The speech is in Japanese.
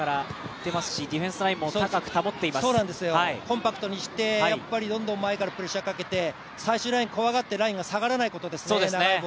コンパクトにしてどんどん前からプレッシャーかけて最終ライン、怖がってラインが下がらないことですね。